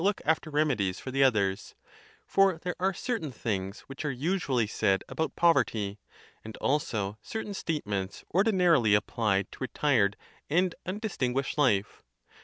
look after remedies for the others, For there are certain things which are usually said about poy erty; and also certain statements ordinarily applied to re tired and undistinguished life.